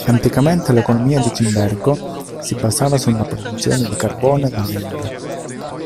Anticamente l'economia di Cimbergo si basava sulla produzione di carbone da legna.